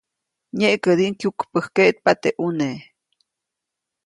Nyeʼkädiʼuŋ kyukpäjkkeʼtpa teʼ ʼuneʼ.